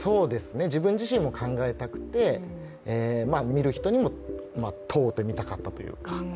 自分自身も考えたくて、見る人にも問うて見たかったというか。